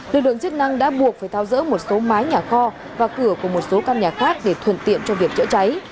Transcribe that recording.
lực lượng chức năng đã buộc phải thao dỡ một số mái nhà kho và cửa của một số căn nhà khác để thuần tiện cho việc chữa cháy